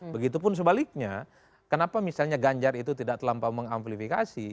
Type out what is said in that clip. begitupun sebaliknya kenapa misalnya ganjar itu tidak terlampau mengamplifikasi